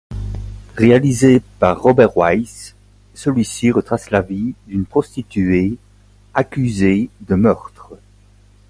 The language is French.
Réalisé par Robert Wise, celui-ci retrace la vie d'une prostituée accusée de meurtre.